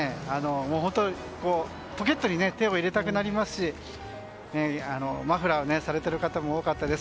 ポケットに手を入れたくなりますしマフラーされている方も多かったです。